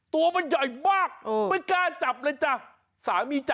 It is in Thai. ตัวมันใหญ่มากไม่กล้าจับเลยจ้ะสามีจ้